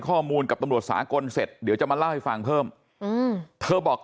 ข้อมูลกับตำรวจสากลเสร็จเดี๋ยวจะมาเล่าให้ฟังเพิ่มอืมเธอบอก